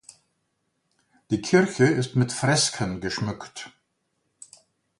Die Kirche ist mit Fresken geschmückt.